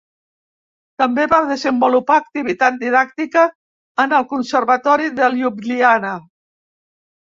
També va desenvolupar activitat didàctica en el Conservatori de Ljubljana.